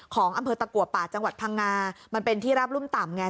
ของอำเภอตะกัวป่าจังหวัดพังงามันเป็นที่ราบรุ่มต่ำไง